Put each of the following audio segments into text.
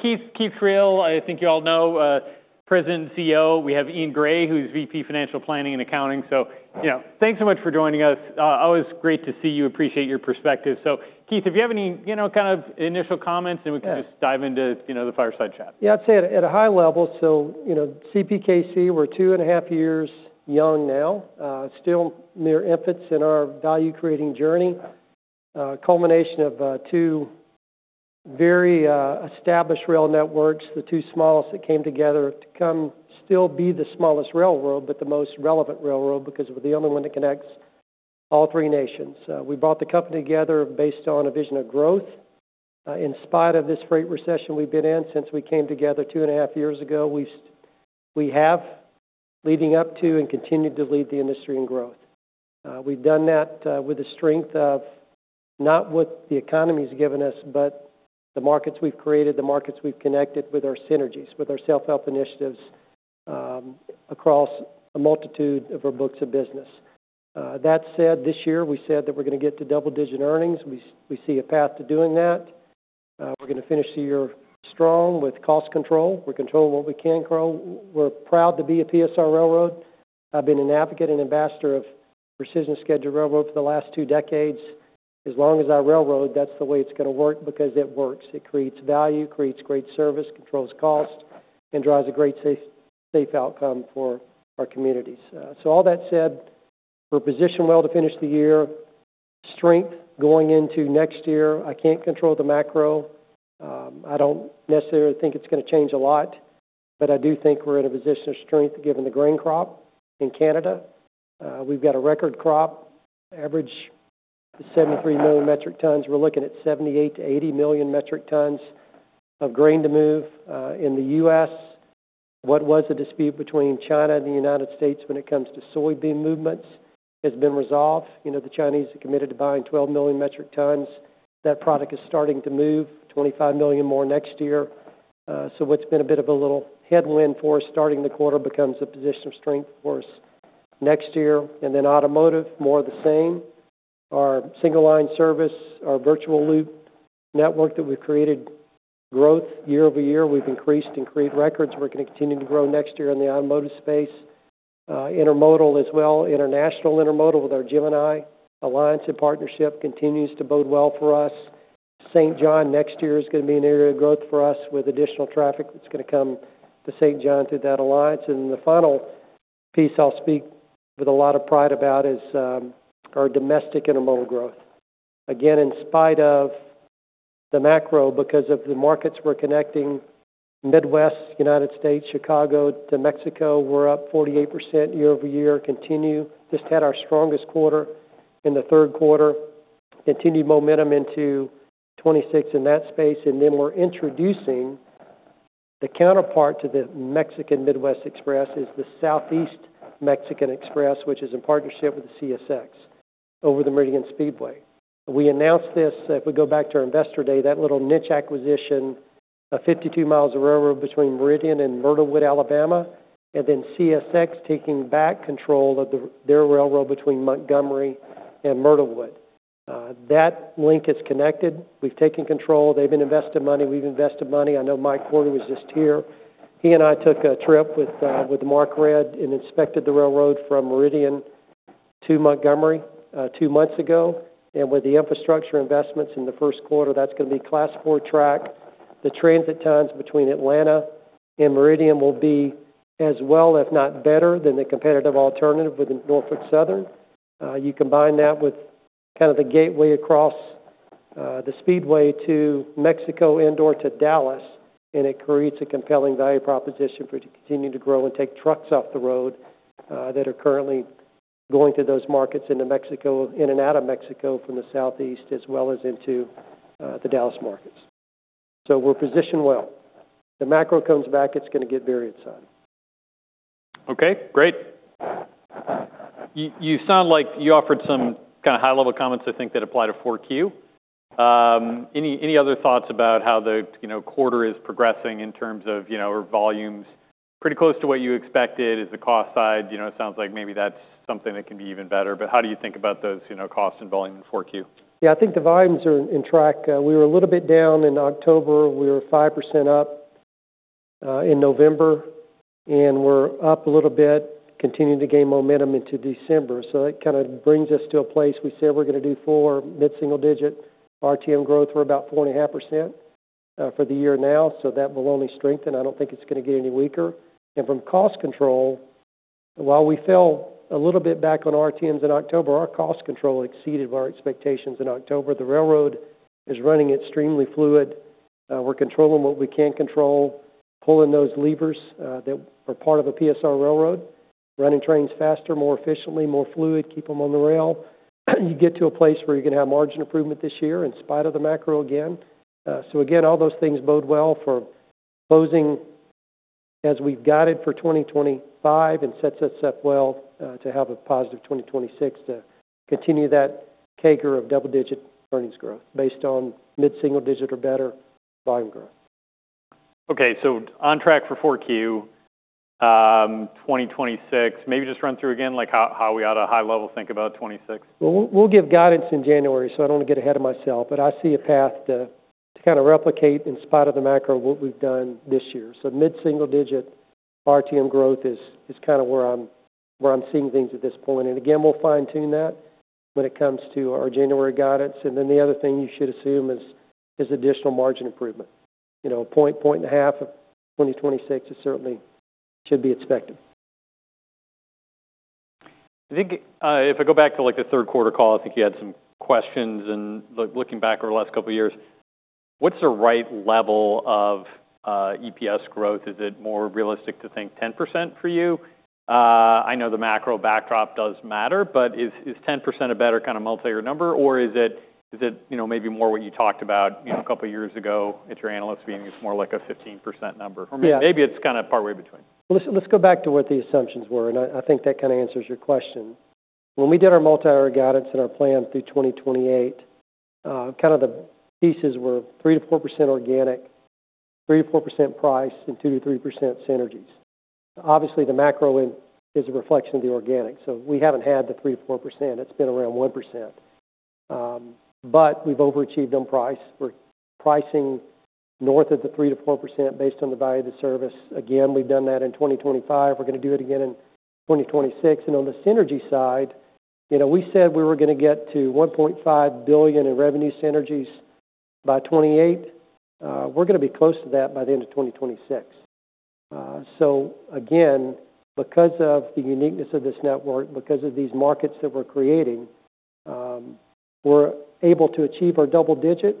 Keith Creel, I think you all know, President and CEO. We have Ian Gray, who's VP Financial Planning and Accounting. Thanks so much for joining us. Always great to see you, appreciate your perspective. Keith, if you have any kind of initial comments, we can just dive into the fireside chat. Yeah, I'd say at a high level, CPKC, we're two and a half years young now, still near infants in our value creating journey, culmination of two very established rail networks, the two smallest that came together to come still be the smallest rail world, but the most relevant rail world because we're the only one that connects all three nations. We brought the company together based on a vision of growth. In spite of this great recession we've been in since we came together two and a half years ago, we have leading up to and continue to lead the industry in growth. We've done that with the strength of not what the economy has given us, but the markets we've created, the markets we've connected with our synergies, with our self-help initiatives across a multitude of our books of business. That said, this year we said that we're going to get to double-digit earnings. We see a path to doing that. We're going to finish the year strong with cost control. We're controlling what we can grow. We're proud to be a PSR railroad. I've been an advocate and ambassador of precision scheduled railroading for the last two decades. As long as our railroad, that's the way it's going to work because it works. It creates value, creates great service, controls costs, and drives a great safe outcome for our communities. All that said, we're positioned well to finish the year. Strength going into next year, I can't control the macro. I don't necessarily think it's going to change a lot, but I do think we're in a position of strength given the grain crop in Canada. We've got a record crop, average 73 million metric tons. We're looking at 78-80 million metric tons of grain to move in the U.S. What was the dispute between China and the United States when it comes to soybean movements has been resolved. The Chinese are committed to buying 12 million metric tons. That product is starting to move, 25 million more next year. What's been a bit of a little headwind for us starting the quarter becomes a position of strength for us next year. Automotive, more of the same. Our single line service, our virtual loop network that we've created, growth year over year. We've increased and created records. We're going to continue to grow next year in the automotive space. Intermodal as well, international intermodal with our Gemini Cooperation and partnership continues to bode well for us. St. John, next year is going to be an area of growth for us with additional traffic that's going to come to Saint John through that alliance. The final piece I'll speak with a lot of pride about is our domestic intermodal growth. Again, in spite of the macro, because of the markets we're connecting, Midwest, United States, Chicago, to Mexico, we're up 48% Year-over-Year. Continue, just had our strongest quarter in the third quarter, continued momentum into 2026 in that space. We are introducing the counterpart to the Mexican Midwest Express, which is the Southeast Mexican Express, in partnership with CSX over the Meridian Speedway. We announced this, if we go back to our investor day, that little niche acquisition of 52 miles of railroad between Meridian and Myrtlewood, Alabama, and then CSX taking back control of their railroad between Montgomery and Myrtlewood. That link is connected. We've taken control. They've been investing money. We've invested money. I know Mike Porter was just here. He and I took a trip with Mark Redd and inspected the railroad from Meridian to Montgomery two months ago. With the infrastructure investments in the first quarter, that's going to be Class 4 track. The transit times between Atlanta and Meridian will be as well, if not better than the competitive alternative with the Norfolk Southern. You combine that with kind of the gateway across the speedway to Mexico and/or to Dallas, and it creates a compelling value proposition for it to continue to grow and take trucks off the road that are currently going to those markets into Mexico and out of Mexico from the Southeast as well as into the Dallas markets. We are positioned well. The macro comes back, it's going to get very exciting. Okay, great. You sound like you offered some kind of high-level comments, I think, that apply to 4Q. Any other thoughts about how the quarter is progressing in terms of volumes? Pretty close to what you expected is the cost side. It sounds like maybe that's something that can be even better. How do you think about those costs and volume in 4Q? Yeah, I think the volumes are in track. We were a little bit down in October. We were 5% up in November, and we're up a little bit, continuing to gain momentum into December. That kind of brings us to a place we say we're going to do four mid-single digit RTM growth for about 4.5% for the year now. That will only strengthen. I don't think it's going to get any weaker. From cost control, while we fell a little bit back on RTMs in October, our cost control exceeded our expectations in October. The railroad is running extremely fluid. We're controlling what we can control, pulling those levers that are part of a PSR railroad, running trains faster, more efficiently, more fluid, keep them on the rail. You get to a place where you can have margin improvement this year in spite of the macro again. All those things bode well for closing as we've guided for 2025 and sets us up well to have a positive 2026 to continue that CAGR of double-digit earnings growth based on mid-single digit or better volume growth. Okay, so on track for 4Q 2026. Maybe just run through again how we ought to high-level think about '26. We'll give guidance in January, so I don't want to get ahead of myself, but I see a path to kind of replicate in spite of the macro what we've done this year. Mid-single digit RTM growth is kind of where I'm seeing things at this point. Again, we'll fine-tune that when it comes to our January guidance. The other thing you should assume is additional margin improvement. A point, point and a half of 2026 certainly should be expected. I think if I go back to the third quarter call, I think you had some questions and looking back over the last couple of years, what's the right level of EPS growth? Is it more realistic to think 10% for you? I know the macro backdrop does matter, but is 10% a better kind of multi-year number, or is it maybe more what you talked about a couple of years ago at your analyst meeting? It's more like a 15% number. Or maybe it's kind of partway between. Let's go back to what the assumptions were, and I think that kind of answers your question. When we did our multi-year guidance and our plan through 2028, kind of the pieces were 3%-4% organic, 3%-4% price, and 2%-3% synergies. Obviously, the macro is a reflection of the organic. We haven't had the 3%-4%. It's been around 1%. We've overachieved on price. We're pricing north of the 3%-4% based on the value of the service. Again, we've done that in 2025. We're going to do it again in 2026. On the synergy side, we said we were going to get to $1.5 billion in revenue synergies by 28. We're going to be close to that by the end of 2026. Again, because of the uniqueness of this network, because of these markets that we're creating, we're able to achieve our double digit.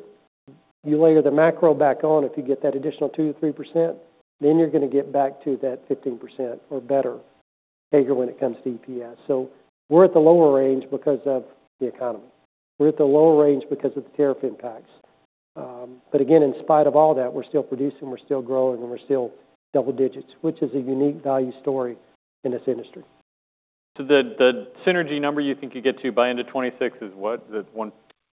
You layer the macro back on, if you get that additional 2%-3%, then you're going to get back to that 15% or better figure when it comes to EPS. We're at the lower range because of the economy. We're at the lower range because of the tariff impacts. Again, in spite of all that, we're still producing, we're still growing, and we're still double digits, which is a unique value story in this industry. The synergy number you think you get to by end of '26 is what?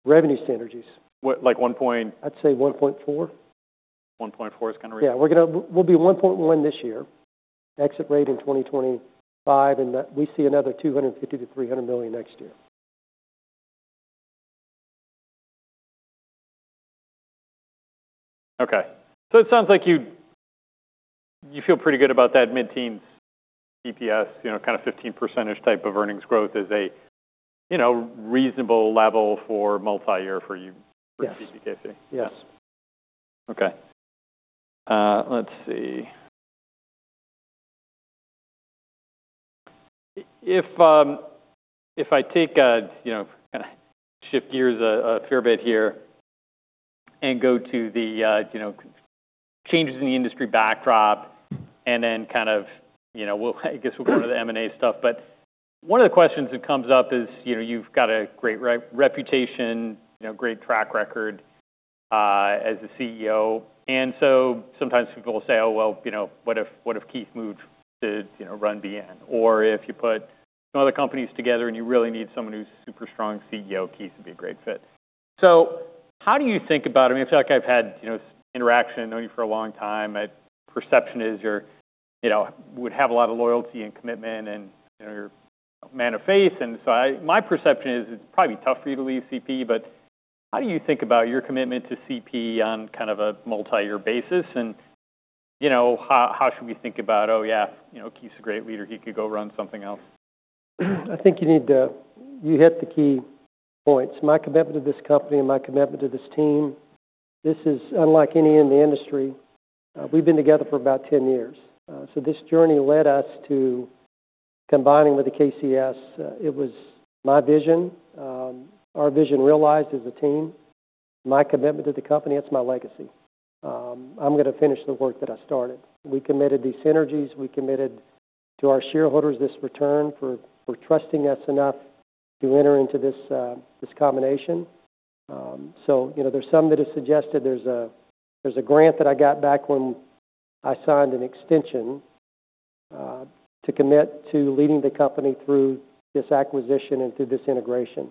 Revenue synergies. Like 1. I'd say 1.4. 1.4 is kind of reasonable. Yeah, we'll be $1.1 billion this year. Exit rate in 2025, and we see another $250 million-$300 million next year. Okay. So it sounds like you feel pretty good about that mid-teens EPS, kind of 15%-ish type of earnings growth as a reasonable level for multi-year for CPKC. Yes. Okay. Let's see. If I take a shift gears a fair bit here and go to the changes in the industry backdrop, and then kind of I guess we'll go into the M&A stuff. One of the questions that comes up is you've got a great reputation, great track record as a CEO. Sometimes people will say, "Oh, well, what if Keith moved to run BN?" Or if you put some other companies together and you really need someone who's a super strong CEO, Keith would be a great fit. How do you think about it? I mean, I feel like I've had interaction with you for a long time. My perception is you would have a lot of loyalty and commitment and you're a man of faith. My perception is it'd probably be tough for you to leave CP, but how do you think about your commitment to CP on kind of a multi-year basis? How should we think about, "Oh yeah, Keith's a great leader. He could go run something else"? I think you hit the key points. My commitment to this company and my commitment to this team, this is unlike any in the industry. We've been together for about 10 years. This journey led us to combining with the KCS. It was my vision, our vision realized as a team, my commitment to the company, it's my legacy. I'm going to finish the work that I started. We committed these synergies. We committed to our shareholders this return for trusting us enough to enter into this combination. There are some that have suggested there's a grant that I got back when I signed an extension to commit to leading the company through this acquisition and through this integration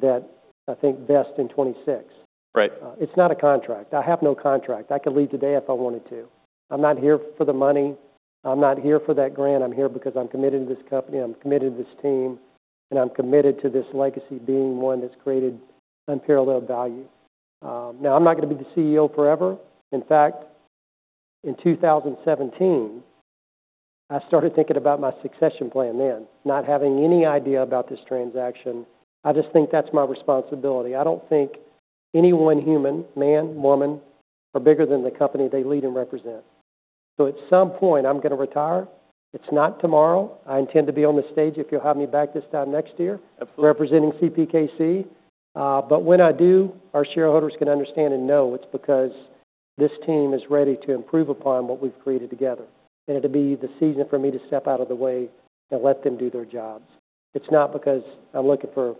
that I think vests in 2026. It's not a contract. I have no contract. I could leave today if I wanted to. I'm not here for the money. I'm not here for that grant. I'm here because I'm committed to this company. I'm committed to this team, and I'm committed to this legacy being one that's created unparalleled value. Now, I'm not going to be the CEO forever. In fact, in 2017, I started thinking about my succession plan then, not having any idea about this transaction. I just think that's my responsibility. I don't think any one human, man, woman, are bigger than the company they lead and represent. At some point, I'm going to retire. It's not tomorrow. I intend to be on the stage if you'll have me back this time next year representing CPKC. When I do, our shareholders can understand and know it's because this team is ready to improve upon what we've created together. It would be the season for me to step out of the way and let them do their jobs. It's not because I'm looking for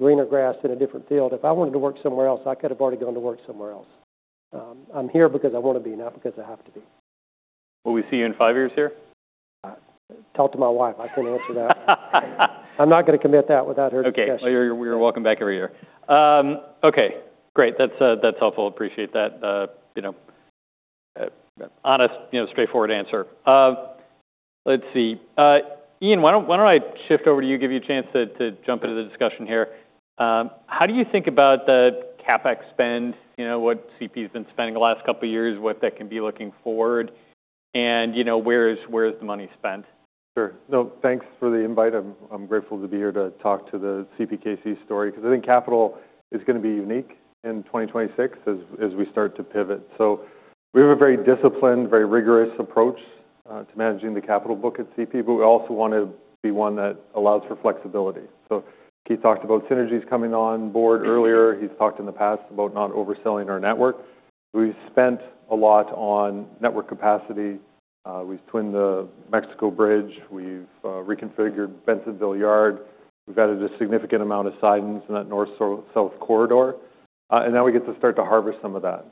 greener grass in a different field. If I wanted to work somewhere else, I could have already gone to work somewhere else. I'm here because I want to be, not because I have to be. Will we see you in five years here? Talk to my wife. I can't answer that. I'm not going to commit that without her discussion. Okay. We're welcome back every year. Okay. Great. That's helpful. Appreciate that honest, straightforward answer. Let's see. Ian, why don't I shift over to you, give you a chance to jump into the discussion here? How do you think about the CapEx spend, what CPKC has been spending the last couple of years, what they can be looking forward, and where is the money spent? Sure. No, thanks for the invite. I'm grateful to be here to talk to the CPKC story because I think capital is going to be unique in 2026 as we start to pivot. We have a very disciplined, very rigorous approach to managing the capital book at CPKC, but we also want to be one that allows for flexibility. Keith talked about synergies coming on board earlier. He's talked in the past about not overselling our network. We've spent a lot on network capacity. We've twinned the Mexico Bridge. We've reconfigured Bensenville Yard. We've added a significant amount of sidings in that North-South corridor. Now we get to start to harvest some of that.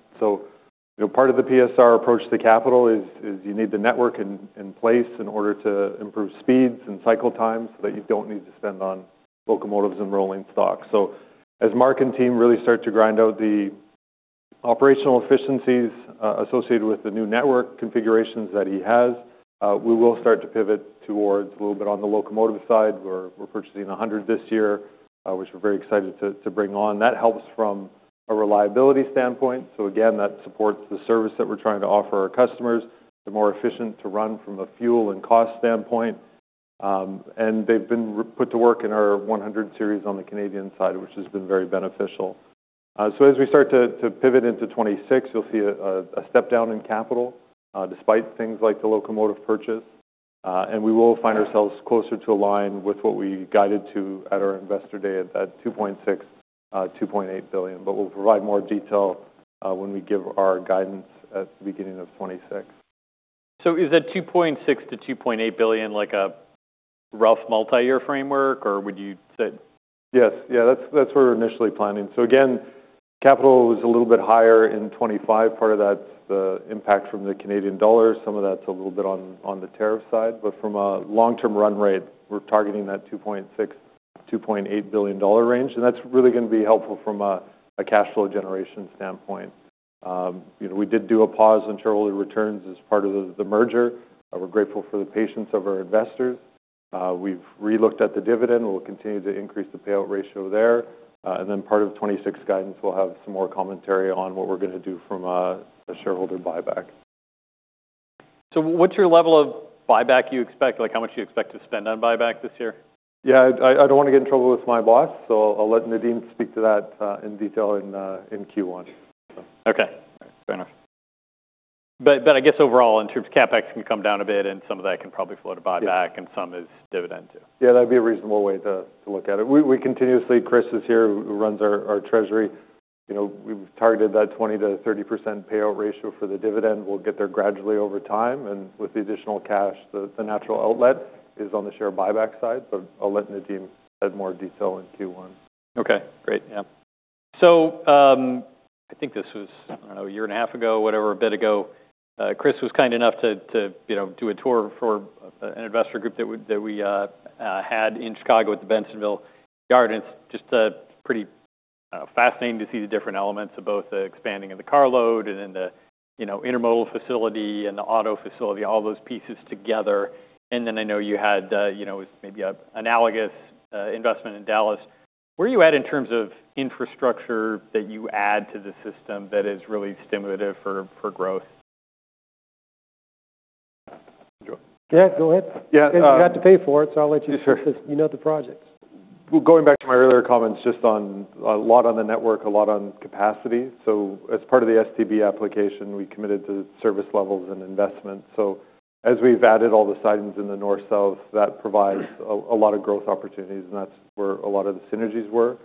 Part of the PSR approach to capital is you need the network in place in order to improve speeds and cycle times so that you do not need to spend on locomotives and rolling stock. As Mark and team really start to grind out the operational efficiencies associated with the new network configurations that he has, we will start to pivot towards a little bit on the locomotive side. We are purchasing 100 this year, which we are very excited to bring on. That helps from a reliability standpoint. That supports the service that we are trying to offer our customers. They are more efficient to run from a fuel and cost standpoint. They have been put to work in our 100 series on the Canadian side, which has been very beneficial. As we start to pivot into 26, you'll see a step down in capital despite things like the locomotive purchase. We will find ourselves closer to align with what we guided to at our investor day at that $2.6 billion-$2.8 billion. We will provide more detail when we give our guidance at the beginning of 26. Is that $2.6 billion-$2.8 billion like a rough multi-year framework, or would you say? Yes. Yeah, that's what we're initially planning. Capital is a little bit higher in 25. Part of that's the impact from the Canadian dollar. Some of that's a little bit on the tariff side. From a long-term run rate, we're targeting that $2.6 billion-$2.8 billion range. That's really going to be helpful from a cash flow generation standpoint. We did do a pause on shareholder returns as part of the merger. We're grateful for the patience of our investors. We've relooked at the dividend. We'll continue to increase the payout ratio there. Part of 26 guidance, we'll have some more commentary on what we're going to do from a shareholder buyback. What is your level of buyback you expect? How much do you expect to spend on buyback this year? Yeah, I don't want to get in trouble with my boss, so I'll let Nadine speak to that in detail in Q1. Okay. Fair enough. I guess overall, in terms of CapEx, can come down a bit, and some of that can probably flow to buyback, and some is dividend too. Yeah, that'd be a reasonable way to look at it. We continuously, Chris is here, who runs our treasury. We've targeted that 20%-30% payout ratio for the dividend. We'll get there gradually over time. With the additional cash, the natural outlet is on the share buyback side. I'll let Nadine add more detail in Q1. Okay. Great. Yeah. I think this was, I don't know, a year and a half ago, whatever, a bit ago, Chris was kind enough to do a tour for an investor group that we had in Chicago at the Bensenville Yard. It is just pretty fascinating to see the different elements of both the expanding of the car load and then the intermodal facility and the auto facility, all those pieces together. I know you had maybe an analogous investment in Dallas. Where are you at in terms of infrastructure that you add to the system that is really stimulative for growth? Yeah, go ahead. Yeah. You have to pay for it, so I'll let you know the projects. Going back to my earlier comments, just on a lot on the network, a lot on capacity. As part of the STB application, we committed to service levels and investment. As we have added all the sidings in the North-South, that provides a lot of growth opportunities, and that is where a lot of the synergies were.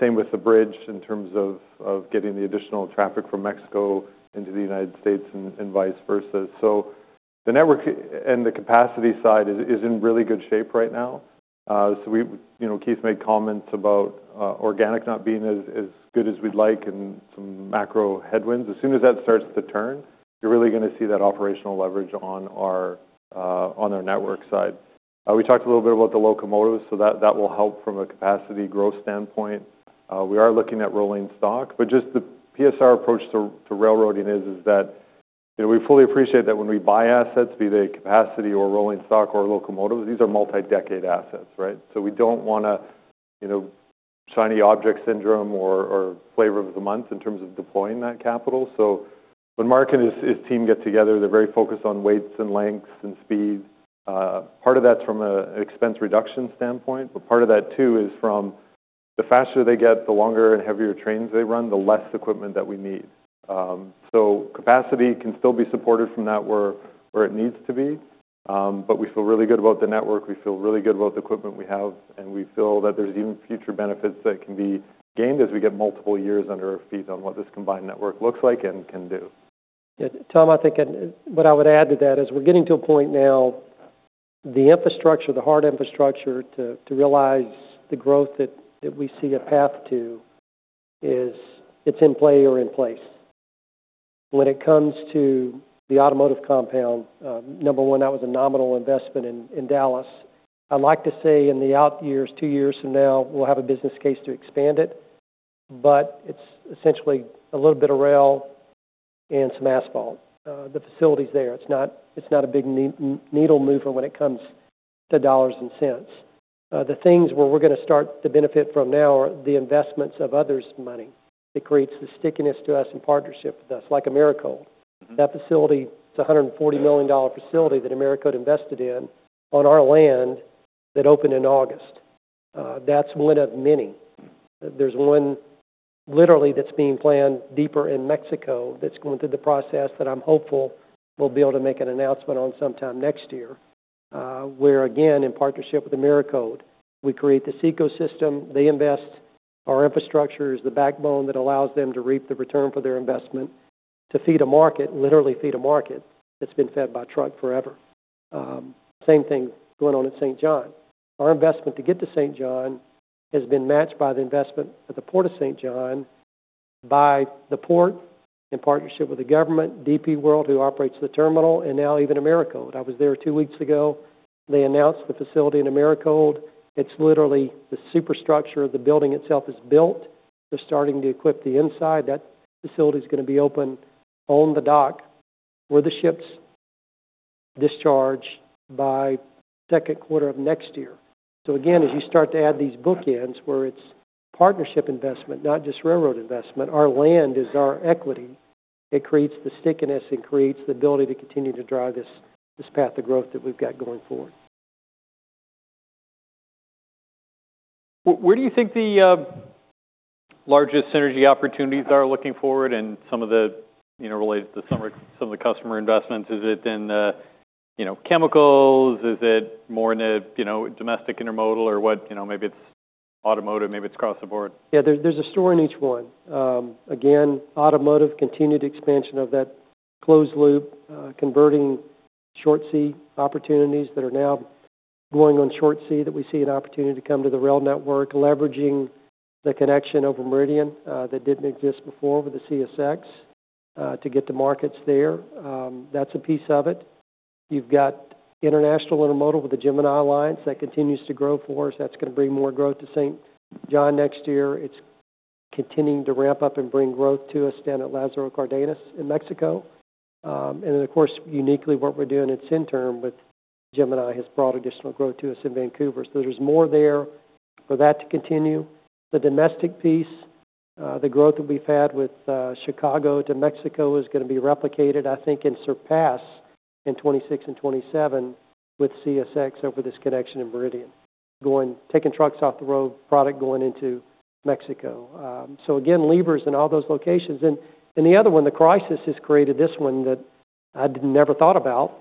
Same with the bridge in terms of getting the additional traffic from Mexico into the United States and vice versa. The network and the capacity side is in really good shape right now. Keith made comments about organic not being as good as we would like and some macro headwinds. As soon as that starts to turn, you are really going to see that operational leverage on our network side. We talked a little bit about the locomotives, so that will help from a capacity growth standpoint. We are looking at rolling stock. The PSR approach to railroading is that we fully appreciate that when we buy assets, be they capacity or rolling stock or locomotives, these are multi-decade assets, right? We do not want a shiny object syndrome or flavor of the month in terms of deploying that capital. When Mark and his team get together, they are very focused on weights and lengths and speed. Part of that is from an expense reduction standpoint, but part of that too is from the faster they get, the longer and heavier trains they run, the less equipment that we need. Capacity can still be supported from that where it needs to be. We feel really good about the network. We feel really good about the equipment we have. We feel that there's even future benefits that can be gained as we get multiple years under our feet on what this combined network looks like and can do. Yeah. Tom, I think what I would add to that is we're getting to a point now, the infrastructure, the hard infrastructure to realize the growth that we see a path to, it's in play or in place. When it comes to the automotive compound, number one, that was a nominal investment in Dallas. I'd like to say in the out years, two years from now, we'll have a business case to expand it. It is essentially a little bit of rail and some asphalt. The facility's there. It's not a big needle mover when it comes to dollars and cents. The things where we're going to start to benefit from now are the investments of others' money that creates the stickiness to us and partnership with us, like Americold. That facility, it's a $140 million facility that Americold invested in on our land that opened in August. That's one of many. There's one literally that's being planned deeper in Mexico that's going through the process that I'm hopeful we'll be able to make an announcement on sometime next year where, again, in partnership with Americold, we create this ecosystem. They invest. Our infrastructure is the backbone that allows them to reap the return for their investment to feed a market, literally feed a market that's been fed by truck forever. Same thing going on at Saint John. Our investment to get to Saint John has been matched by the investment at the Port of Saint John, by the port in partnership with the government, DP World, who operates the terminal, and now even Americold. I was there two weeks ago. They announced the facility in Americold. It's literally the superstructure of the building itself is built. They're starting to equip the inside. That facility is going to be open on the dock where the ships discharge by the second quarter of next year. As you start to add these bookends where it's partnership investment, not just railroad investment, our land is our equity. It creates the stickiness and creates the ability to continue to drive this path of growth that we've got going forward. Where do you think the largest synergy opportunities are looking forward and some of the related to some of the customer investments? Is it in chemicals? Is it more in a domestic intermodal or maybe it is automotive? Maybe it is cross the board? Yeah, there's a story in each one. Again, automotive, continued expansion of that closed loop, converting short sea opportunities that are now going on short sea that we see an opportunity to come to the rail network, leveraging the connection over Meridian that didn't exist before with the CSX to get to markets there. That's a piece of it. You've got international intermodal with the Gemini that continues to grow for us. That's going to bring more growth to Saint John next year. It's continuing to ramp up and bring growth to us down at Lázaro Cárdenas in Mexico. Of course, uniquely what we're doing at Centerm with Gemini has brought additional growth to us in Vancouver. There's more there for that to continue. The domestic piece, the growth that we've had with Chicago to Mexico is going to be replicated, I think, and surpass in 26 and 27 with CSX over this connection in Meridian, taking trucks off the road product going into Mexico. Again, levers in all those locations. The other one, the crisis has created this one that I never thought about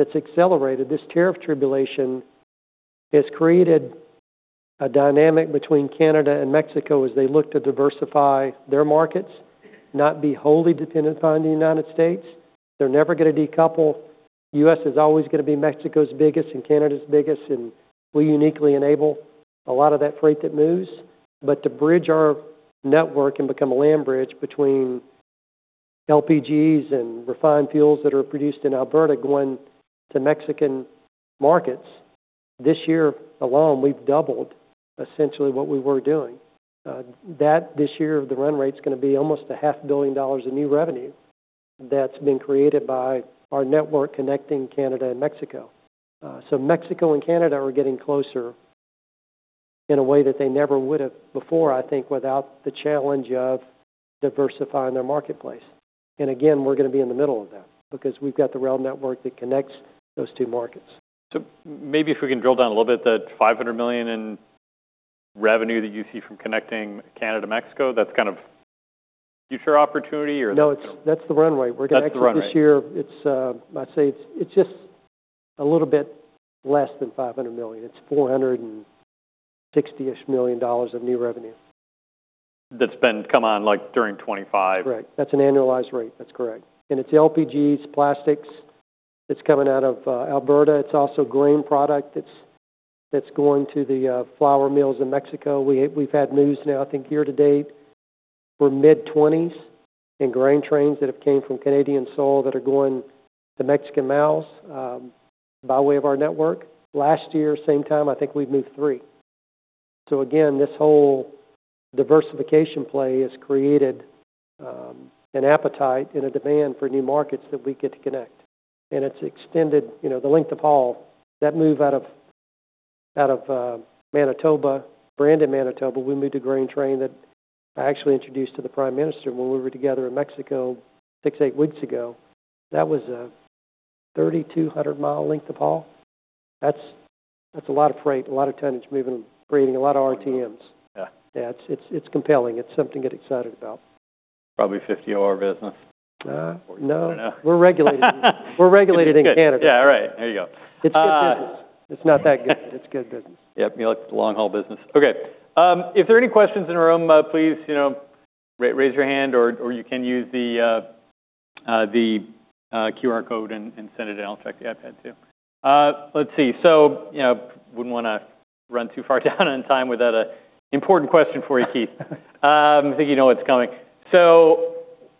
that's accelerated. This tariff tribulation has created a dynamic between Canada and Mexico as they look to diversify their markets, not be wholly dependent on the United States. They're never going to decouple. The U.S. is always going to be Mexico's biggest and Canada's biggest. We uniquely enable a lot of that freight that moves. To bridge our network and become a land bridge between LPGs and refined fuels that are produced in Alberta going to Mexican markets, this year alone, we've doubled essentially what we were doing. This year, the run rate's going to be almost $500,000,000 in new revenue that's been created by our network connecting Canada and Mexico. Mexico and Canada are getting closer in a way that they never would have before, I think, without the challenge of diversifying their marketplace. Again, we're going to be in the middle of that because we've got the rail network that connects those two markets. Maybe if we can drill down a little bit, that $500 million in revenue that you see from connecting Canada to Mexico, that's kind of future opportunity or? No, that's the runway. We're going to actually this year, I'd say it's just a little bit less than $500 million. It's $460 million-ish of new revenue. That's been come on during 25? Correct. That's an annualized rate. That's correct. And it's LPGs, plastics. It's coming out of Alberta. It's also grain product that's going to the flour mills in Mexico. We've had news now, I think year to date, we're mid-20s in grain trains that have come from Canadian soil that are going to Mexican mouths by way of our network. Last year, same time, I think we've moved three. This whole diversification play has created an appetite and a demand for new markets that we get to connect. It's extended the length of haul. That move out of Manitoba, Brandon, Manitoba, we moved a grain train that I actually introduced to the Prime Minister when we were together in Mexico six, eight weeks ago. That was a 3,200 mile length of haul. That's a lot of freight, a lot of tonnage moving, creating a lot of RTMs. Yeah, it's compelling. It's something to get excited about. Probably 50-hour business. No. We're regulated. We're regulated in Canada. Yeah, right. There you go. It's good business. It's not that good. It's good business. Yep. You like the long-haul business. Okay. If there are any questions in the room, please raise your hand, or you can use the QR code and send it in. I'll check the iPad too. Let's see. Wouldn't want to run too far down on time without an important question for you, Keith. I think you know what's coming.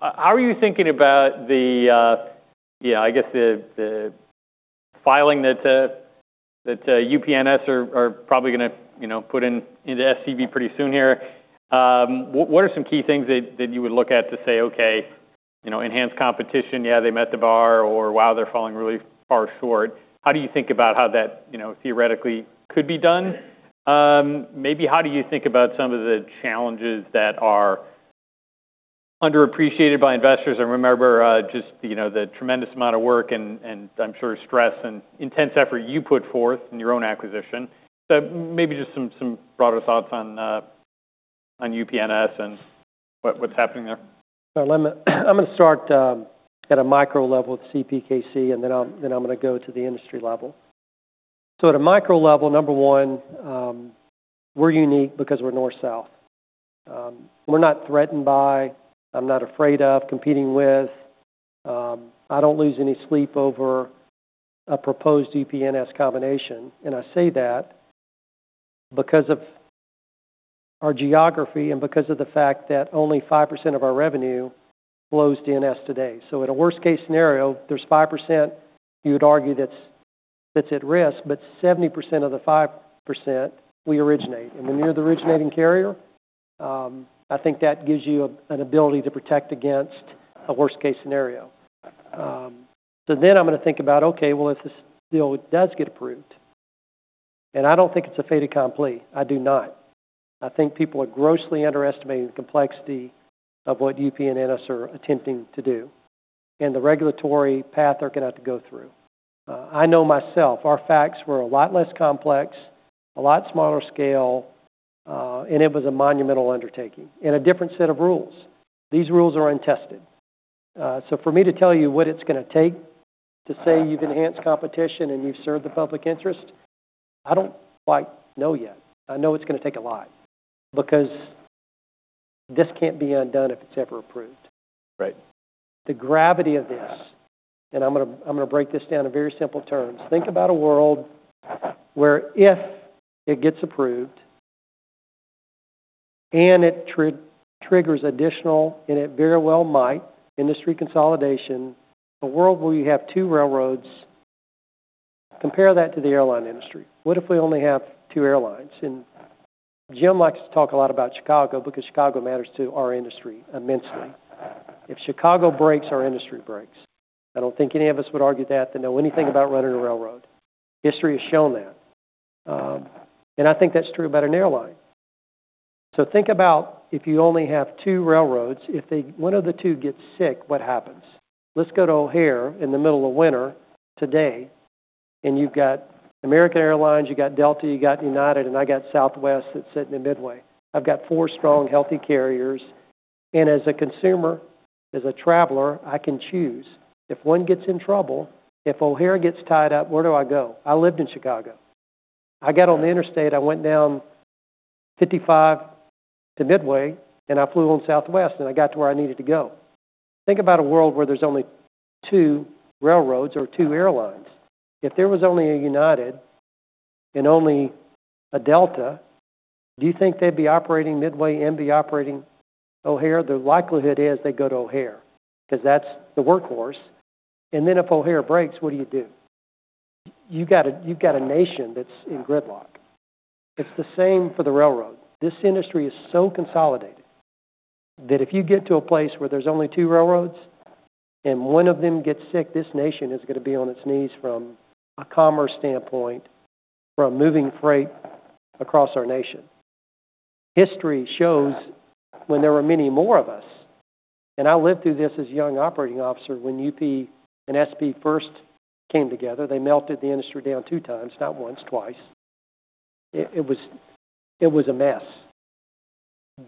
How are you thinking about the, yeah, I guess the filing that UP and NS are probably going to put into STB pretty soon here? What are some key things that you would look at to say, "Okay, enhanced competition, yeah, they met the bar," or, "Wow, they're falling really far short"? How do you think about how that theoretically could be done? Maybe how do you think about some of the challenges that are underappreciated by investors? I remember just the tremendous amount of work and I'm sure stress and intense effort you put forth in your own acquisition. Maybe just some broader thoughts on UP and NS and what's happening there. I'm going to start at a micro level with CPKC, and then I'm going to go to the industry level. At a micro level, number one, we're unique because we're North-South. We're not threatened by, I'm not afraid of, competing with. I don't lose any sleep over a proposed UPNS combination. I say that because of our geography and because of the fact that only 5% of our revenue flows to NS today. In a worst-case scenario, there's 5% you would argue that's at risk, but 70% of the 5% we originate. When you're the originating carrier, I think that gives you an ability to protect against a worst-case scenario. I'm going to think about, "Okay, if this deal does get approved," and I don't think it's a fait accompli. I do not. I think people are grossly underestimating the complexity of what UP and NS are attempting to do and the regulatory path they're going to have to go through. I know myself, our facts were a lot less complex, a lot smaller scale, and it was a monumental undertaking and a different set of rules. These rules are untested. For me to tell you what it's going to take to say you've enhanced competition and you've served the public interest, I don't quite know yet. I know it's going to take a lot because this can't be undone if it's ever approved. Right. The gravity of this, and I'm going to break this down in very simple terms. Think about a world where if it gets approved and it triggers additional, and it very well might, industry consolidation, a world where you have two railroads, compare that to the airline industry. What if we only have two airlines? Jim likes to talk a lot about Chicago because Chicago matters to our industry immensely. If Chicago breaks, our industry breaks. I don't think any of us would argue that that know anything about running a railroad. History has shown that. I think that's true about an airline. Think about if you only have two railroads, if one of the two gets sick, what happens? Let's go to O'Hare in the middle of winter today, and you've got American Airlines, you've got Delta, you've got United, and I got Southwest that's sitting in Midway. I've got four strong, healthy carriers. As a consumer, as a traveler, I can choose. If one gets in trouble, if O'Hare gets tied up, where do I go? I lived in Chicago. I got on the interstate. I went down 55 to Midway, and I flew on Southwest, and I got to where I needed to go. Think about a world where there's only two railroads or two airlines. If there was only a United and only a Delta, do you think they'd be operating Midway and be operating O'Hare? The likelihood is they'd go to O'Hare because that's the workhorse. If O'Hare breaks, what do you do? You've got a nation that's in gridlock. It's the same for the railroad. This industry is so consolidated that if you get to a place where there's only two railroads and one of them gets sick, this nation is going to be on its knees from a commerce standpoint, from moving freight across our nation. History shows when there were many more of us, and I lived through this as a young operating officer when UP and SP first came together, they melted the industry down two times, not once, twice. It was a mess.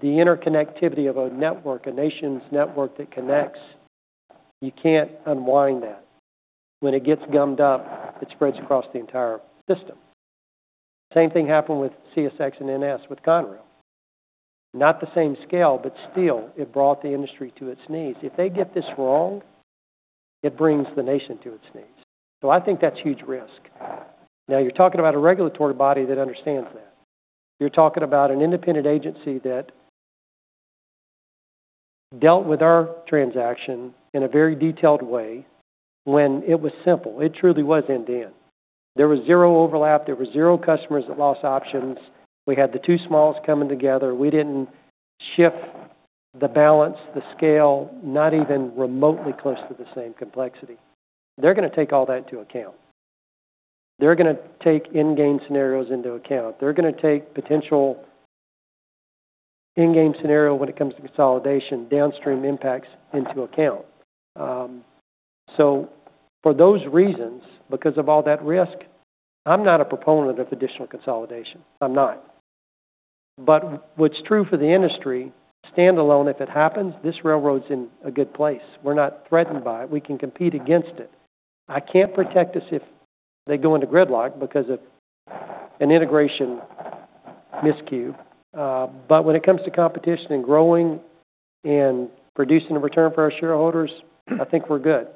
The interconnectivity of a network, a nation's network that connects, you can't unwind that. When it gets gummed up, it spreads across the entire system. Same thing happened with CSX and NS with Conrail. Not the same scale, but still, it brought the industry to its knees. If they get this wrong, it brings the nation to its knees. I think that's huge risk. Now, you're talking about a regulatory body that understands that. You're talking about an independent agency that dealt with our transaction in a very detailed way when it was simple. It truly was end-to-end. There was zero overlap. There were zero customers that lost options. We had the two smallest coming together. We didn't shift the balance, the scale, not even remotely close to the same complexity. They're going to take all that into account. They're going to take end-game scenarios into account. They're going to take potential end-game scenario when it comes to consolidation, downstream impacts into account. For those reasons, because of all that risk, I'm not a proponent of additional consolidation. I'm not. What's true for the industry, standalone, if it happens, this railroad's in a good place. We're not threatened by it. We can compete against it. I can't protect us if they go into gridlock because of an integration miscue. When it comes to competition and growing and producing a return for our shareholders, I think we're good.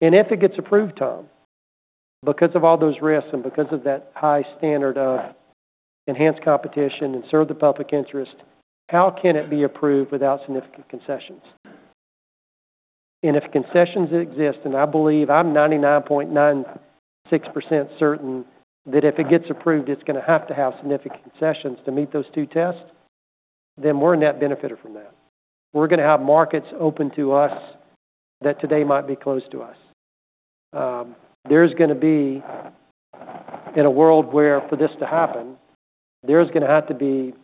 If it gets approved, Tom, because of all those risks and because of that high standard of enhanced competition and serve the public interest, how can it be approved without significant concessions? If concessions exist, and I believe I'm 99.96% certain that if it gets approved, it's going to have to have significant concessions to meet those two tests, then we're net benefited from that. We're going to have markets open to us that today might be closed to us. There's going to be, in a world where for this to happen, there's going to have to be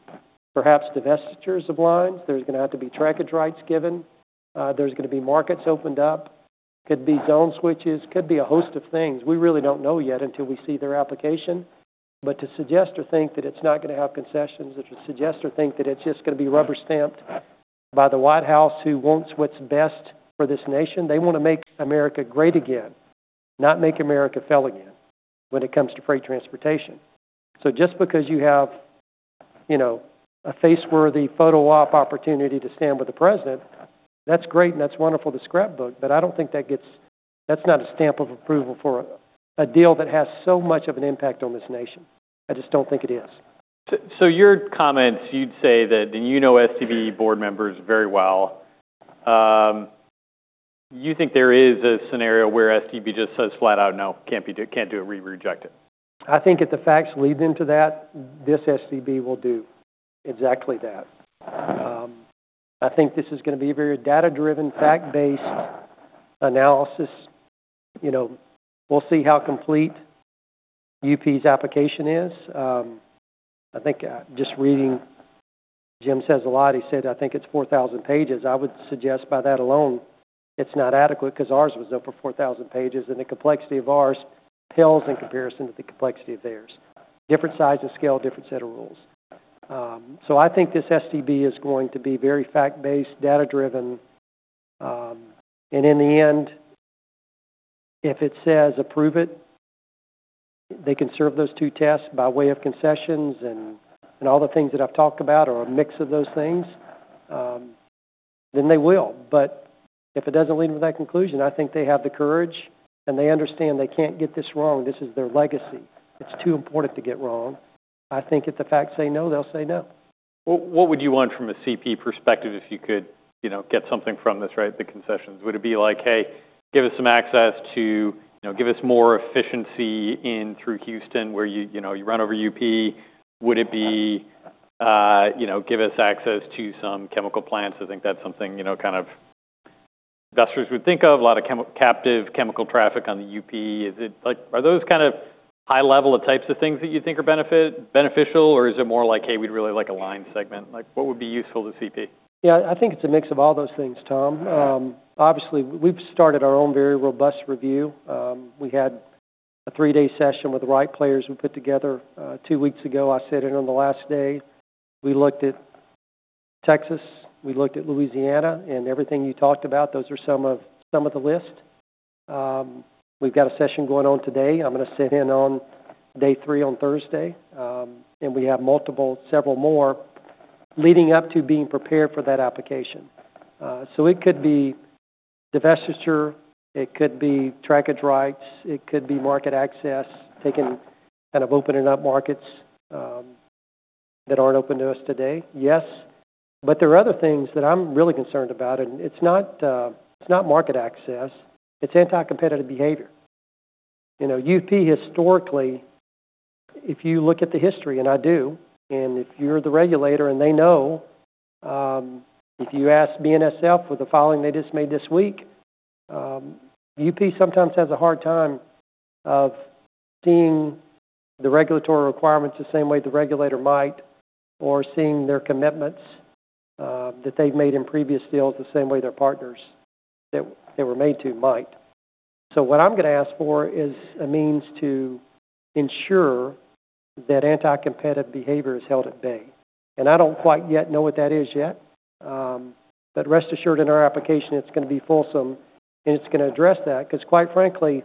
perhaps divestitures of lines. There's going to have to be trackage rights given. There's going to be markets opened up. Could be zone switches. Could be a host of things. We really don't know yet until we see their application. To suggest or think that it's not going to have concessions, or to suggest or think that it's just going to be rubber-stamped by the White House who wants what's best for this nation, they want to make America great again, not make America fail again when it comes to freight transportation. Just because you have a face-worthy photo op opportunity to stand with the president, that's great and that's wonderful to scrapbook, but I don't think that gets, that's not a stamp of approval for a deal that has so much of an impact on this nation. I just don't think it is. Your comments, you'd say that, and you know STB board members very well, you think there is a scenario where STB just says flat out, "No, can't do it. We reject it. I think if the facts lead them to that, this STB will do exactly that. I think this is going to be a very data-driven, fact-based analysis. We'll see how complete UP's application is. I think just reading Jim says a lot. He said, "I think it's 4,000 pages." I would suggest by that alone, it's not adequate because ours was over 4,000 pages, and the complexity of ours pales in comparison to the complexity of theirs. Different size and scale, different set of rules. I think this STB is going to be very fact-based, data-driven. In the end, if it says approve it, they can serve those two tests by way of concessions and all the things that I've talked about or a mix of those things, then they will. If it doesn't lead to that conclusion, I think they have the courage and they understand they can't get this wrong. This is their legacy. It's too important to get wrong. I think if the facts say no, they'll say no. What would you want from a CPKC perspective if you could get something from this, right, the concessions? Would it be like, "Hey, give us some access to give us more efficiency in through Houston where you run over UP"? Would it be, "Give us access to some chemical plants"? I think that's something kind of investors would think of, a lot of captive chemical traffic on the UP. Are those kind of high-level types of things that you think are beneficial, or is it more like, "Hey, we'd really like a line segment"? What would be useful to CPKC? Yeah, I think it's a mix of all those things, Tom. Obviously, we've started our own very robust review. We had a three-day session with the right players we put together two weeks ago. I sat in on the last day. We looked at Texas. We looked at Louisiana, and everything you talked about, those are some of the list. We've got a session going on today. I'm going to sit in on day three on Thursday, and we have multiple, several more leading up to being prepared for that application. It could be divestiture. It could be trackage rights. It could be market access, taking kind of opening up markets that aren't open to us today. Yes. There are other things that I'm really concerned about, and it's not market access. It's anti-competitive behavior. UP, historically, if you look at the history, and I do, and if you're the regulator and they know, if you ask BNSF with the filing they just made this week, UP sometimes has a hard time of seeing the regulatory requirements the same way the regulator might or seeing their commitments that they've made in previous deals the same way their partners that were made to might. What I'm going to ask for is a means to ensure that anti-competitive behavior is held at bay. I don't quite yet know what that is yet, but rest assured in our application, it's going to be fulsome, and it's going to address that because, quite frankly,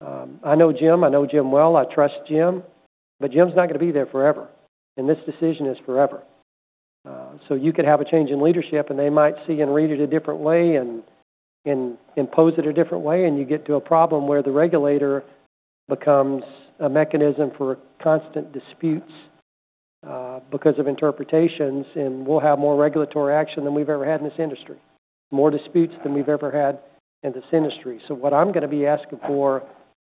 I know Jim. I know Jim well. I trust Jim. Jim's not going to be there forever. This decision is forever. You could have a change in leadership, and they might see and read it a different way and impose it a different way, and you get to a problem where the regulator becomes a mechanism for constant disputes because of interpretations, and we'll have more regulatory action than we've ever had in this industry, more disputes than we've ever had in this industry. What I'm going to be asking for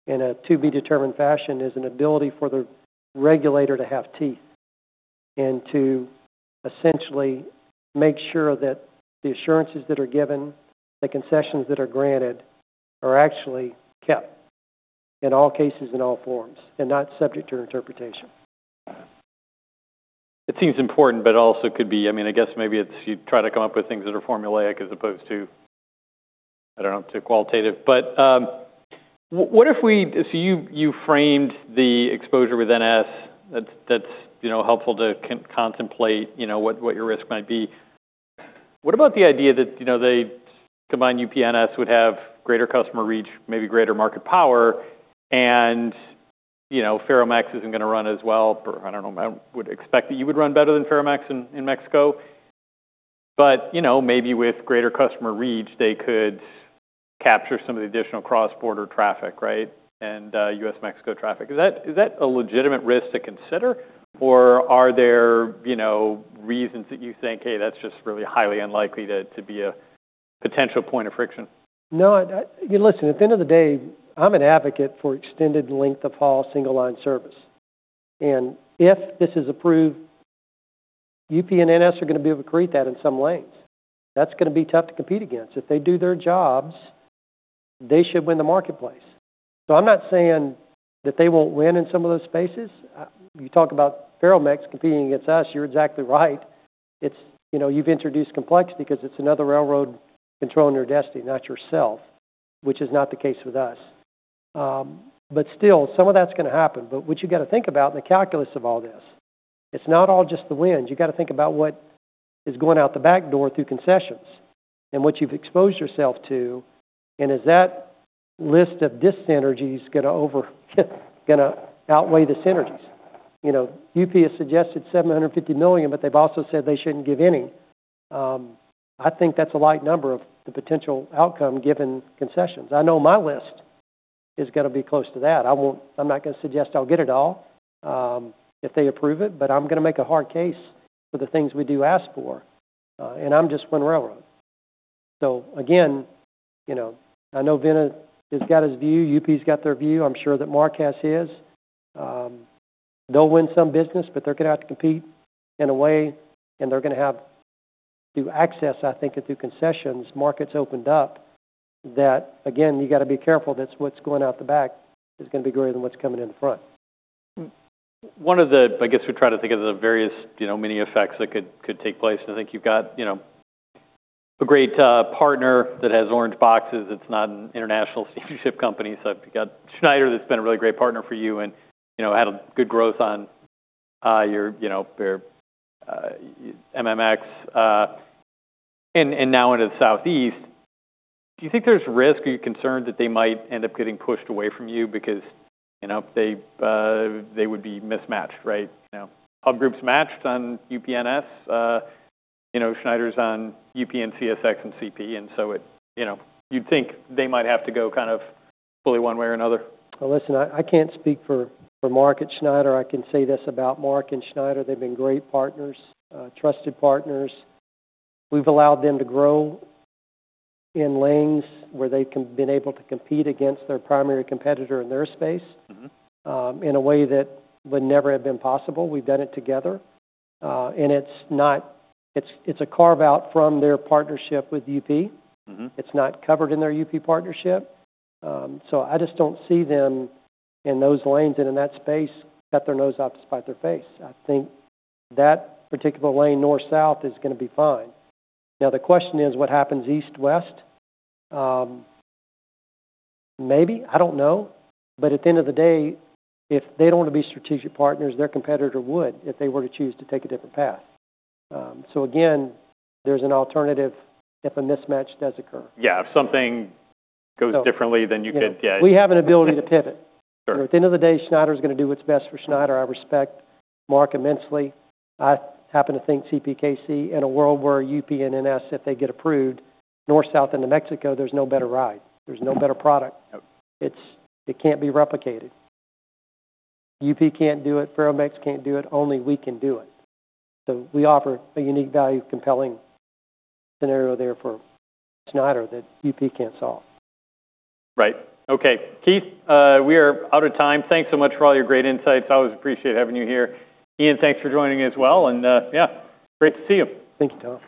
in a to-be-determined fashion is an ability for the regulator to have teeth and to essentially make sure that the assurances that are given, the concessions that are granted, are actually kept in all cases and all forms and not subject to interpretation. It seems important, but also could be, I mean, I guess maybe it's you try to come up with things that are formulaic as opposed to, I don't know, to qualitative. What if we, so you framed the exposure with NS, that's helpful to contemplate what your risk might be. What about the idea that the combined UPNS would have greater customer reach, maybe greater market power, and Ferromex isn't going to run as well? I don't know. I would expect that you would run better than Ferromex in Mexico. Maybe with greater customer reach, they could capture some of the additional cross-border traffic, right, and US-Mexico traffic. Is that a legitimate risk to consider, or are there reasons that you think, "Hey, that's just really highly unlikely to be a potential point of friction"? No. Listen, at the end of the day, I'm an advocate for extended length of haul, single-line service. If this is approved, UP and NS are going to be able to create that in some lanes. That's going to be tough to compete against. If they do their jobs, they should win the marketplace. I'm not saying that they won't win in some of those spaces. You talk about Ferromex competing against us, you're exactly right. You've introduced complexity because it's another railroad controlling your destiny, not yourself, which is not the case with us. Still, some of that's going to happen. What you got to think about in the calculus of all this, it's not all just the win. You got to think about what is going out the back door through concessions and what you've exposed yourself to. Is that list of disynergies going to outweigh the synergies? UP has suggested $750 million, but they've also said they shouldn't give any. I think that's a light number of the potential outcome given concessions. I know my list is going to be close to that. I'm not going to suggest I'll get it all if they approve it, but I'm going to make a hard case for the things we do ask for. I'm just one railroad. I know Vinny has got his view. UP's got their view. I'm sure that Mark has his. They'll win some business, but they're going to have to compete in a way, and they're going to have to access, I think, through concessions. Markets opened up that, again, you got to be careful that what's going out the back is going to be greater than what's coming in the front. One of the, I guess we try to think of the various many effects that could take place. I think you've got a great partner that has orange boxes. It's not an international steamship company. So you've got Schneider that's been a really great partner for you and had good growth on your MMX and now into the Southeast. Do you think there's risk or you're concerned that they might end up getting pushed away from you because they would be mismatched, right? Hub Group's matched on UPNS, Schneider's on UP and CSX and CP. And so you'd think they might have to go kind of fully one way or another? I can't speak for Mark and Schneider. I can say this about Mark and Schneider. They've been great partners, trusted partners. We've allowed them to grow in lanes where they've been able to compete against their primary competitor in their space in a way that would never have been possible. We've done it together. It's a carve-out from their partnership with UP. It's not covered in their UP partnership. I just don't see them in those lanes and in that space cut their nose off to spite their face. I think that particular lane, North-South, is going to be fine. Now, the question is, what happens East-West? Maybe. I don't know. At the end of the day, if they don't want to be strategic partners, their competitor would if they were to choose to take a different path. There is an alternative if a mismatch does occur. Yeah. If something goes differently, then you could, yeah. We have an ability to pivot. At the end of the day, Schneider's going to do what's best for Schneider. I respect Mark immensely. I happen to think CPKC, in a world where UP and NS, if they get approved, North-South into Mexico, there's no better ride. There's no better product. It can't be replicated. UP can't do it. Ferromex can't do it. Only we can do it. We offer a unique value, compelling scenario there for Schneider that UP can't solve. Right. Okay. Keith, we are out of time. Thanks so much for all your great insights. I always appreciate having you here. Ian, thanks for joining me as well. Yeah, great to see you. Thank you, Tom.